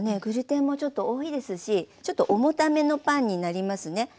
グルテンもちょっと多いですしちょっと重ためのパンになりますね。